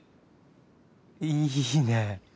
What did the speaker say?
いいねぇ。